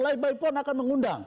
lai baipon akan mengundang